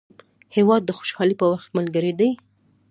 هېواد د خوشحالۍ په وخت ملګری دی.